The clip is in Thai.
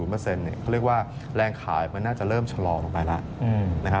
เขาเรียกว่าแรงขายมันน่าจะเริ่มชะลอลงไปแล้ว